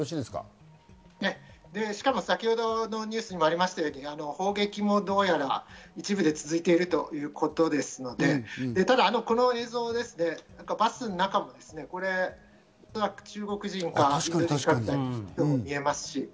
しかも先ほどのニュースにあったように砲撃もどうやら一部で続いているということですので、ただこの映像、バスの中も中国人などが見られます。